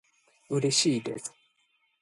うれしいです